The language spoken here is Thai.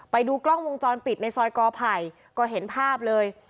ไปดูกล้องวงจรปิดในซอยกอไผ่ก็เห็นภาพเลย